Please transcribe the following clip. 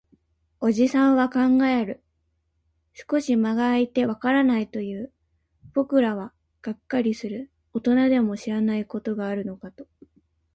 おじさんは考える。少し間が空いて、わからないと言う。僕らはがっかりする。大人でも知らないことがあるのかと。